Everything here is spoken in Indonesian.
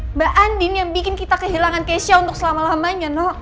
mbak andin yang bikin kita kehilangan kesya untuk selama lamanya nok